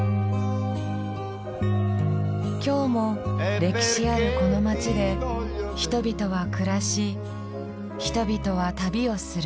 今日も歴史あるこの街で人々は暮らし人々は旅をする。